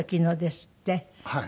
はい。